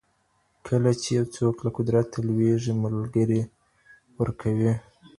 کله چي یو څوک له قدرته لویږي ملګري ورکوي.